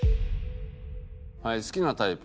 はい「好きなタイプ